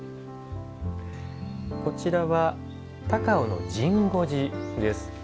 こちらは、高雄の神護寺です。